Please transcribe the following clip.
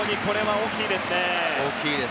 大きいですね。